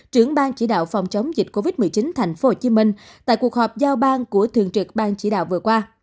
trưởng bang chỉ đạo phòng chống dịch covid một mươi chín thành phố hồ chí minh tại cuộc họp giao bang của thượng trực bang chỉ đạo vừa qua